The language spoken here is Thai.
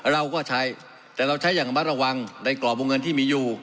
เราก็ใช้แต่เราใช้อย่างระมัดระวังในกรอบวงเงินที่มีอยู่